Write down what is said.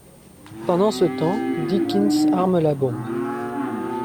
Pendant ce temps, Deakins arme la bombe.